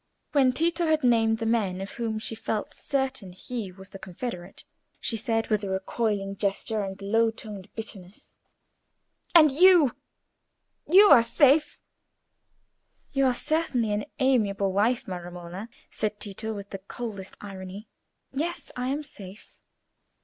When Tito had named the men of whom she felt certain he was the confederate, she said, with a recoiling gesture and low toned bitterness— "And you—you are safe?" "You are certainly an amiable wife, my Romola," said Tito, with the coldest irony. "Yes; I am safe."